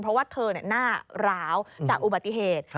เพราะว่าเธอหน้าร้าวจากอุบัติเหตุ